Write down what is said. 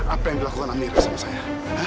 apa yang dilakukan amerika sama saya